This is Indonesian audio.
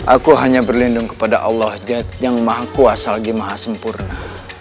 aku hanya berlindung kepada allah yang maha kuasa lagi maha sempurna